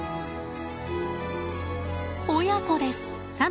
親子です。